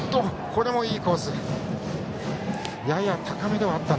これもいいコースでした。